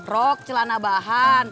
rok celana bahan